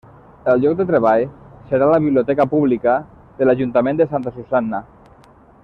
El lloc de treball serà la biblioteca Pública de l'Ajuntament de Santa Susanna.